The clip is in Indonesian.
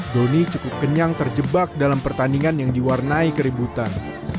doni cukup kenyang terjebak dalam pertandingan yang diwarnai keributan